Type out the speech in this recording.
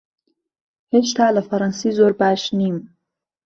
هێشتا لە فەڕەنسی زۆر باش نیم.